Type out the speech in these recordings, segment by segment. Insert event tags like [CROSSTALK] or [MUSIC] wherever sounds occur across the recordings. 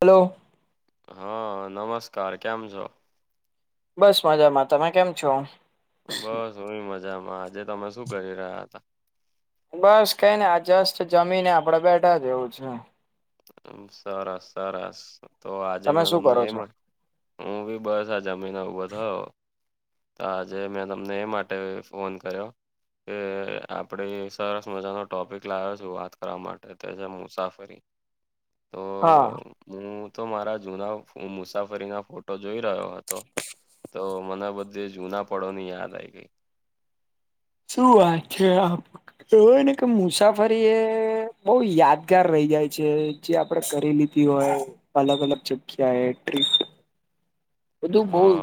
Hello હહ નમસ્કાર. કેમ છો? બસ મજામાં. તમે કેમ છો? બસ અમે મજામાં. આજે તમે શું કરી રહ્યા હતા? બસ કઈને આ જસ્ટ જમીને આપડે બેઠા જ એવું જ છ સરસ સરસ તો આજે તમે મેં શું તમને કરો છો એમાં હું બી બસ આ જમીને ઊભો થયો. તો આજે મેં તમને એ માટે ફોન કર્યો કે આપણેે સરસ મજાનો ટોપિક લાવ્યો છું વાત કરવા માટે તે છે મુસાફરી તો હા. હું તો મારા જુના મુસાફરીના ફોટો જોઈ રહ્યો હતો તો મને બધે જૂના પળોની યાદ આઈ ગઈ. શું વાત છે આમ, કેવયને કે મુસાફરી એ બહુ યાદગાર રહી જાય છે જે આપડે કરી લીધી હોય અલગ અલગ જગ્યાએ ટ્રીપ બધું બહું હા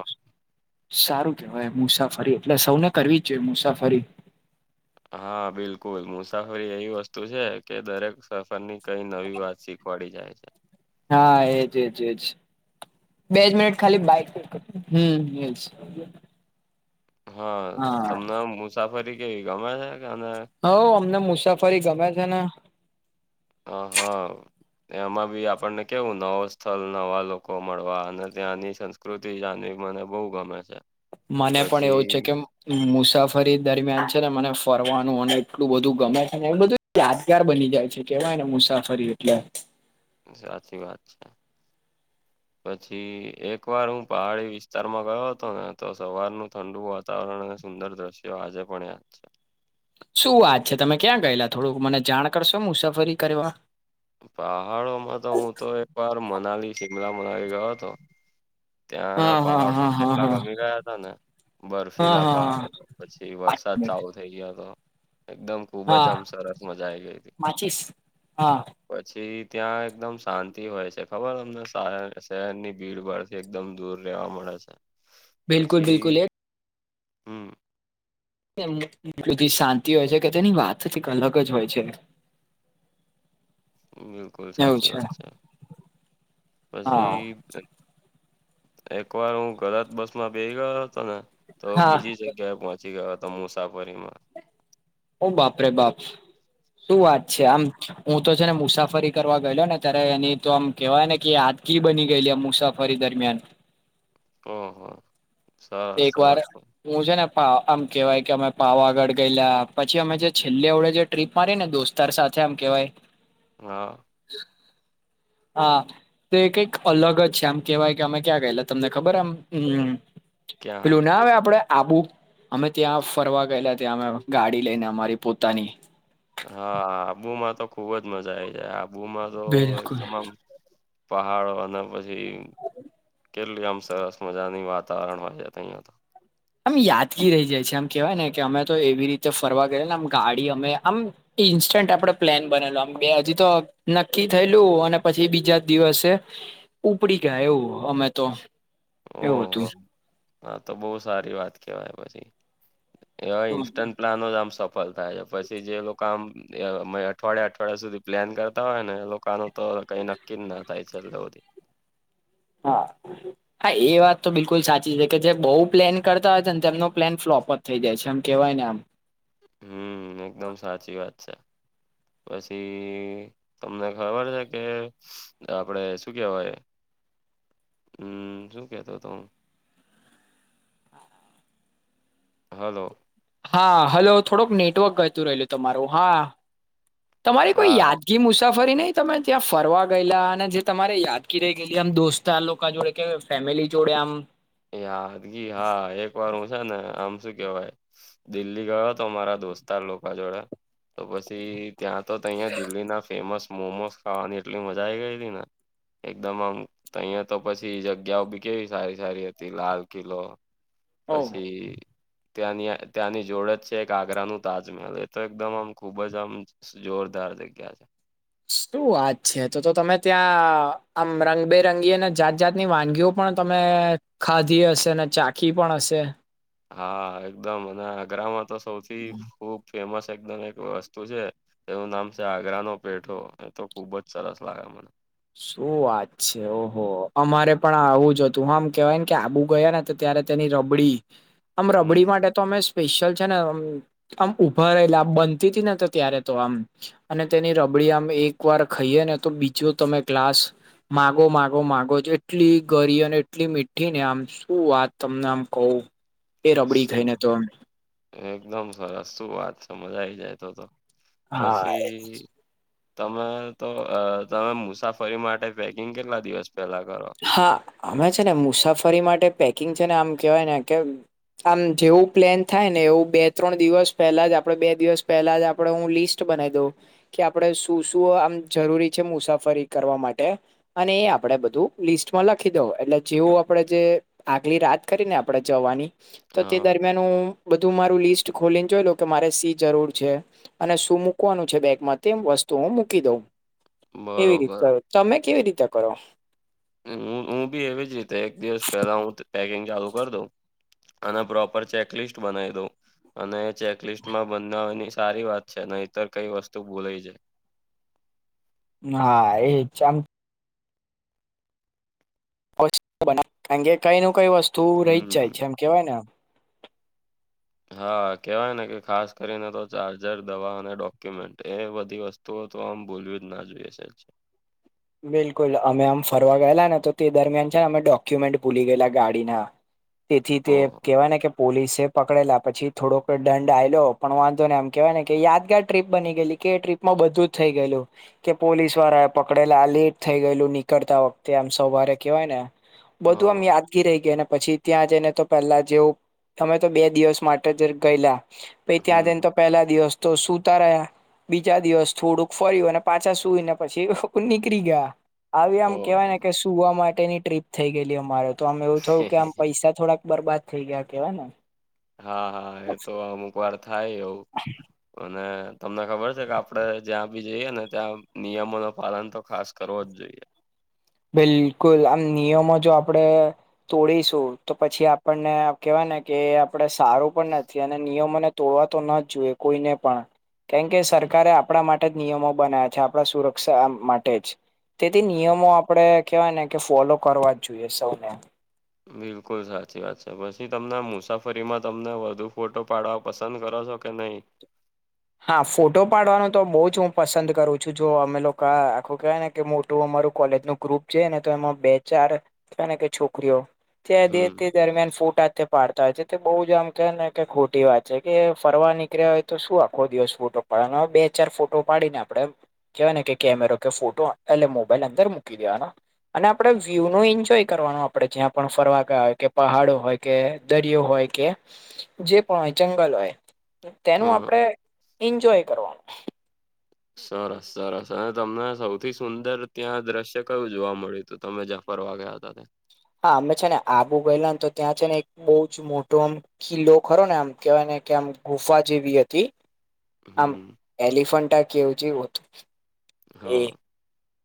સારું કેહેવાય મુસાફરી એટલે સૌને કરવી જ જોઈએ મુસાફરી હા, બિલકુલ મુસાફરી એવી વસ્તુ છે કે દરેક સફરની કઈ નવી વાત શીખવાડી જાય છે. હા, એજ, એજ, એજ. બે જ મિનિટ ખાલી બાઈક, હમ્મ હમ્મ જ. હા તમને આ મુસાફરી કેવી ગમે છે કે ને હઉ અમને મુસાફરી ગમે છે ને હા, હા. એમાં બી આપણને કેવું નવો સ્થળ નવા લોકો મળવા અને ત્યાંની સંસ્ કૃતિ જાની મને બહુ ગમે છે. મને પણ એવું છે પછી કેમ મુસાફરી દરમિયાન છે ને મને ફરવાનું અને એટલું બધું ગમે છે ને એ બધું યાદગાર બની જાય છે કેવાય ને મુસાફરી એટલે સાચી વાત છે. પછી એક વાર હું પહાડી વિસ્તારમાં ગયો હતો ને તો સવારનું ઠંડુું વા તાવરણ અને સુંદર દ્રશ્યો આજે પણ યાદ છે. શું વાત છે, તમે ક્યાં ગયેલા થોડુંક મને જાણ કરશો મુસાફરી કરવા? પહાડોમાં તો હું તો એક વાર મનાલી, શિમલા, મનાલી ગયો હતો. હા ત્યાંના હા પહાડો હા મને હા એટલા હા ગમી ગયા હતા ને હા બરફીલા હા પહાડ પછી હા વરસાદ ચાલું થઇ ગયા હતો એકદમ ખુબ જ આમ સરસ મજા આઈ ગઈ હતી. પચીસ, હા. પછી ત્યાં એકદમ શાંતિ હોય છે ખબર તમને શાર શહેરની ભીડભાડ થી એકદમ દૂર રેવા મળે છે, બિલકુલ પછી બિલકુલ એ હમ્મ. [UNINTELLIGIBLE] એટલી બધી શાંતિ હોય છે કે તેની વાત જ અલગ હોય છે. બિલકુલ સાચી વાત છે. હા પછી એક વાર હું ગલત બસમાં બેહી ગયો હતો ને તો હા બીજી જગ્ યા પહોંચી ગયો હતો મુસાફરીમાં ઓ બાપ રે બાપ. શું વાત છે આમ, હું તો છે ને મુસાફરી કરવા ગયેલો ને ત્યારે એની તો આમ કેહેવાય ને કે આ કી બની ગયેલી આ મુસાફરી દરમિયાન ઓહો. સરસ એક વાર સરસ હું છે ને પા આમ કેહેવાય કે અમે પાવાગઢ ગયેલા પછી અમે જે છેલ્લે વડે જે ટ્રીપ મારીના દોસ્તાર સાથે આમ કેવાય હા. હા. તે કઈક અલગ જ છે આમ કેવાય કે અમે ક્યાં ગયેલા તમને ખબર આમ, હમ્મ. ક્યાં પેલું ના આવે આપડે આબુ અમે ત્યાં ફરવા ગયેલા ત્યાં અમે ગાડી લઈને અમારી પોતાની. હા, આબુમાં તો ખુબ જ મજા આઈ જાય આબુમાં તો બિલકુલ તમામ પહાડો અને પછી કેટલી આમ સરસ મજાની વાતાવરણ હોય તહીંયા તો આમ યાદગી રહી જાય છે આમ કેહેવાય ને કે અમે તો એવી રીતે ફરવા ગએ ને આમ ગાડી અમે આમ ઈન્સ્ટન્ટ આપડે પ્લેન બનેલો આમ હજી તો નક્કી થયેલું અને પછી બીજા દિવસે ઉપડી ગયા એવું અમે તો એવું હતું. ઓહો હા, તો બહુ સારી વાત કેવાય પછી. એવા હમ, ઇન્સ્ટન્ટ પ્લાન આમ સપ ફલ થાય છે પછી જે લોકો આમ અઠવાડિયા અઠવાડિયા સુધી પ્લેન કરતા હોય ને એ લોકોનું તો કઈ ન કિન ના થાય ચાલ રહો દે. હા. હા, એ વાત તો બિલકુલ સાચી છે કે જે બહુ પ્લેન કરતા હોય છે ને તેમનો પ્લેન ફ્લોપ હ થઈ જાય છે એમ કેહેવાય ને આમ. હમ્મ, એકદમ સાચી વાત છે. પછી તમને ખબર છે કે આપડે શું કેવાય હમ્મ, શું કેતો તો હું. હલો. હા, હલો થોડુંક નેટવર્ક ગતું રહેલું તમારું હા તમારી કોઈ હા યાદ ગીર મુસાફરી નહી તમે ત્યાં ફરવા ગયેલા અને જે તમારે યાદગ રહી ગયેલી આમ દોસ્ત તો આ લોકા જોડે કે ફેમિલી જોડે આમ એ યાદગી હા એક વાર હું છે ને આમ શું કેવાય દિલ્હી ગયો હતો મારા દોસ્તાર લોકો જોડે તો પછી ત્યાં તો તહીંયા દિલ્હીના ફેમસ મોમોસ ખાવાની એટલી મજા આઈ ગઈ હતી ને એકદમ આમ તહીંયા તો પછી જગ્યાઓ બી કેવી સારી સારી હ તી લાલ કિલો ઓહો પછી ત્યાંની ત્યાંની જોડ જ છે એક આગ્રાનું તાજમહેલ એ તો એકદમ આમ ખૂબ જ આમ જોરદાર જગ્યા છે. શું વાત છે. તો તો તમે ત્યાં આમ રંગબેરંગી અને જાત જાતની વાનગીઓ પણ તમે ખાધી હશે ને ચાખી પણ હશે? હા, એકદમ અને આગ્રામાં તો સૌથી ખુબ ફેમસ એકદમ એક વસ્તુ છે એવું નામ છે આગ્રાનો પેઠો એ તો ખુબજ સરસ લાગે મને. શું વાત છે ઓહો અમારે પણ આવું જ હતું આમ કેવાય ને કે આબુ ગયા ને તે ત્યારે તેની રબડી [INAUDIBLE] આમ રબડી માટે તો અમે સ્પેશિયલ છે ને આમ આમ ઉભા રહેલા બનતી ત ને તો ત્યારે તો આમ. અને તેની રબડી આમ એક વાર ખાઈએ ને તો બીજો તમે ગ્લાસ માગો માગો માગો જ એટલી ગરી અને એટલી મીઠી ને આમ શું વાત તમને આમ કહું એ રબડી શું ખાઈને તો એમ. એકદમ સરસ શું વાત છે મજા આવી જાય તો તો. હા પછી તમે તો અહ તમે મુસાફરી માટે પે કિંગ કેટલા દિવસ પેલા કરો? હા, અમે છે ને મુસાફરી માટે પેકિંગ છે ને આમ કેવાય ને કે આમ જેવું પ્લેન થાય ને એવું બે ત્રણ દિવસ પહેલા જ આપડે બે દિવસ પહેલા જ આપડે હું લિસ ટ બનાઈ દઉં. કે આપડે શું શું આમ જરૂરી છે મુસાફરી કરવા માટે અને એ આપડે બધું લિસ્ટમાં લખી દઉ એટલે જેવું આપડે જે આગલી રાત કરીને આપડે જવાની તો તે હા દરમિયાન હું બધું મારું લિસ્ટ ખોલીને જોઈ લઉં કે મારે સી જરૂર છે. અને શું મૂકવાનું છે બેગમાં તે વસ્તુ હું મૂકી દઉં. એવી રીતે બરોબર કરો. તમે કેવી રીતે કરો? હું બી એવી જ રીતે એક દિવસ પહેલા હું પેકિંગ ચાલુ કરી દઉં અને પ્રોપર ચેકલિસ્ટ બનાવી દવ અને ચેકલિસ્ટમાં બનાવવાની સારી વાત છે અને તર કઈ વસ્તુ ભોલે જાય. હા એ ચમ [INAUDIBLE] અે કઈ નું કઈ વસ્તુ રહી જ હમ જાય છે એમ કેવાય એમ હા કેવાય ને કે ખાસ કરીને તો ચાર્જર દવા અને ડોક્યુમેન્ટ એ બધી વસ્તુ તો તો આમ બોલ્યું જ ના જોઈ હશે જ બિલકુલ અમે આમ ફરવા ગયેલા ને તો તે દરમિયાન છે ને અમે ડોક્યુમેન્ટ ભૂલી ગયેલા ગાડીના [INAUDIBLE] તેથી તે ઓહ કહેવાય ને કે પોલીસે પકડેલા પછી થોડોક દંડ આ્યો પણ વાંધો ને એમ કેહેવાય ને કે યાદગાર ટ્રીપ બની ગયેલી કે ટ્રીપ માં બધું જ થઈ ગયેલું કે પોલીસ વાળા પકડેલા આ લેટ થઈ ગયેલું નીકળતા વખતે આમ સવારે કવાય ને બધું હા આમ યાદ કીી રહી ગઈને પછી ત્યાં જઈને તો પેલા જેવું અમે તો બે દિવસ માટે જ ગયેલા. પ ત્યાં જને હમ તો પહેલા દિવસ તો સુતા રહ્યા બીજા દિવસ થોડુંક ફર્યું અને પાછા સુઈ ને પછી નીકળી ગયા આવી આમ કેવાય ઓહો ને કે સુવા માટેની ટ્રીપ થઈ ગયેલી અમારે તો આમ એવું થયું કે આમ પૈસા થોડાક બરબાદ થઈ ગયા કેવાય ને હા હા એ તો અમુક વાર થાય એવું અને તમને ખબર છે કે આપડે જ્યાં બી જઈએ ને ત્યાં નિયમો ન પાલન તો ખાસ કરવો જ જોઈએ. બિલકુલ આમ નિયમો જો આપડે તોડીશું તો પછી આપણને કેવાય ને કે આપડે સારું પણ નથી અને નિયમોને તોડવા તો ના જોઈએ કોઈને પણ કેમ કે સરકારે આપણા માટે જ નિયમો બના્યા છે આપણા સુરક્ષા માટે જ તેથી નિયમો આપડે કેહેવાય ને કે ફોલો કરવા જ જોઈએ સૌને બિલકુલ સાચી વાત છે પછી તમને મુસાફરીમાં તમને વધુ ફોટો પાડવા પસંદ કરો છો કે નહી. હા ફોટો પાડવાનું તો બહુ જ હું પસંદ કરું છું જો અમે લોકો આખું કહેવાય ને કે મોટું અમારું કોલેજનું ગ્રુપ છે ને તો એમાં બે ચારને કે છોકરીઓ તે હમ દરમિયાન ફોટા પાડતા હોય છે તે બઉુ જ આમ કે ને કે ખોટી વાત છે કે ફરવા નીકળ્યા હોય તો શું આપ આખો દિવસ ફોટો પાડે અને બે ચાર ફોટો પાડીને આપડણે કેહેવા ને કે કેમેરો કે ફોટો એટલે મોબાઈલ અંદર મૂકી દેવાનો અને આપણેે વ્યુ નો એન્જોય કરવાનું આપડે જ્યાં પણ ફરવા ગ હોય કે પહાડો હોય કે દરિયો હોય કે જે પણ હોય જંગલ હોય તેનું હા આપડે એન્જોય કરવાનું સરસ સરસ અને તમને સૌથી સુંદર ત્યાં દ્રશ્ય કયું જોવા મળ્યું તો તમે જફરવા ગયા હતાને હા અમે છે ને આબુ ગયેલા ને તો ત્યાં છે ને એક બહુ જ મોટું આમ કિલ્લો ખરો ને આમ કેહેવાય ને કે આમ ગુફા જેવી હતી. આમ હમ એલફા કે છે એ હા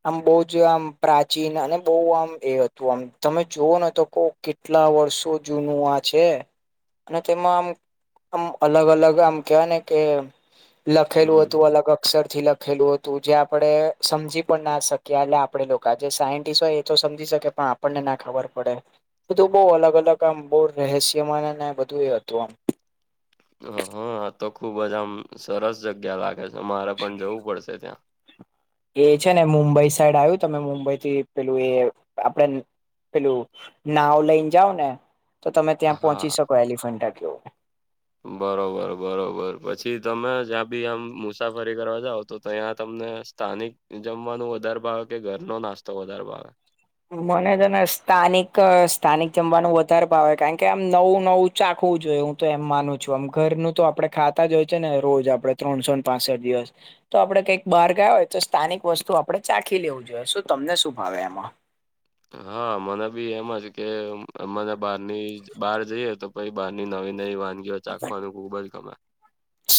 આમ બહુ જ આમ પ્રાચીન અને બહુ આમ એ હતું આમ તમે જોુવઓ ન તો કો કેટલા વર્ષો જૂનું આ છે અને તેમાં આમ આમ અલગ અલગ આમ કહેવાય ને કે લખેલું હતું હમ અલગ અક્ષર થી લખેલું હતું જ્યાં આપણે સમજી પણ ના શકીએ એટલે આપડે લોકો આ જે સાયન્ટિસ્ટ હોય એ તો સમજી શકે પણ આપણને ના ખબર પડે બધું બહુ અલગ અલગ આમ બહુ રહસ્યમ બધું એ હતું આમ હા તો ખુબ જજ આમ સરસ જગ્યા લાગે છે મારે પણ જવું પડશે ત્યાં એ છે ને મુંબઈ સાઈડ આવ્યું તમે મુંબઈ થી પેલું એ આપણે પેલું નાવ લઈને જાઓ ને તો તમે ત્યાં પહોંચી શકો એલિફન્ટ કે હમ. બરોબર બરોબર પછી તમે જ્યાં બી આમ મુસાફરી કરવા જાાવ તો ત્યાં તમને સ્થાનિક જમવાનું વધારે ભાવે કે ઘરનો નાસ્તો વધાર ભાવે? મને તો ને સ્થાનિક સ્થાનિક જમવાનું વધારે પાવે કારણ કે આમ નવું નવું ચાખવું જોઈએ હું તો એમ માનું છું આમ ઘરનું તો આપડે ખાતા જ હોય છે ને રોજ આપડણે ત્રણસોને પાસઠ દિવસ. તો આપડે કંઈક બહાર ગયા હોય તો સ્થાનિક વસ્તુ આપડણે ચાખી લેવું જોઈએ. શું તમને શું ભાવે એમાં? હા મને બી એમાં છે કે મને બહારની બહાર જઈએ તો ભાઈ બહારની નવી નવી વાનગીઓ ચાખવાનું ખુબ જ ગમે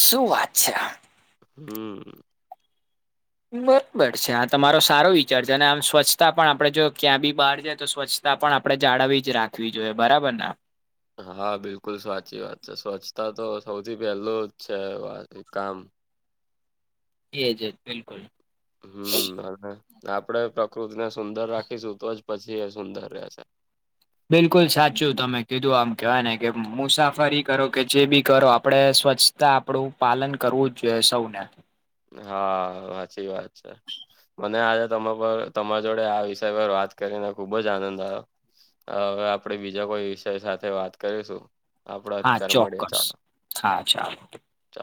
શું વાત છે. હમ. બરોબર છે આ તમારો સારો વિચાર છે અને આમ સ્વચ્છતા પણ આપડે જો ક્યાં બી બહાર જાય તો સ્વચ્છતા તા પણ આપડણે જાળવવી જ રાખવી જોઈએ બરાબર ને. હા બિલકુલ સાચી વાત છે સ્વચ્છતા તો સૌથી પહેલું જ છે વા કામ. જી જી બિલકુલ. હમ અને આપડે પ્રકૃતિને સુંદર રાખીશું તો જ પછી એ સુંદર રહેશે. બિલકુલ સાચું તમે કીધું આમ કહેવાય ને કે મુસાફરી કરો કે જે બી કરો આપણે સ્વચ્છ આપડું પાલન કરવું જ જોઈએ સૌને. હા સાચી વાત છે. મને આજે તમા પર તમારા જોડે આ વિષય પર વાત કરીને ખુબ જ આનંદ આવ્યો. હવે આપડે બીજા કોઈ વિષય સાથે વાત કરીશું. આપડ હા અતતાર મળે ચોક્કસ ચાલો હા ચાલો ચ.